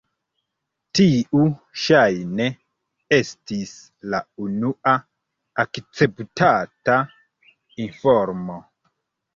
Tiu ŝajne estis la unua akceptata informo.